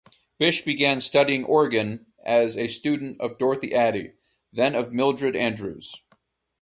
Bish began studying organ as a student of Dorothy Addy, then of Mildred Andrews.